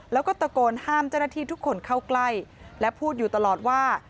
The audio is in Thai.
แล้วก็ตะโกนห้ามเจ้าหน้าที่ทุกคนเข้าใกล้และพูดอยู่ตลอดว่า